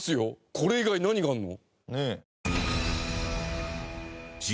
これ以外何があるの？